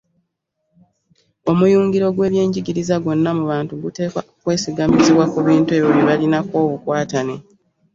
Omuyungiro gw’ebyenjigiriza gwonna mu bantu guteekwa kwesigamizibwa ku bintu ebyo bye balinako obukwatane.